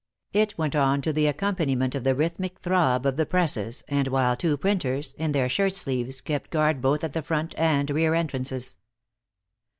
It went on to the accompaniment of the rhythmic throb of the presses, and while two printers, in their shirt sleeves, kept guard both at the front and rear entrances.